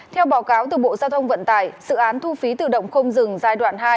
theo báo cáo từ bộ giao thông vận tải dự án thu phí tự động không dừng giai đoạn hai